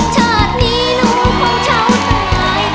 ชาตินี้หนูคงเช่าสาย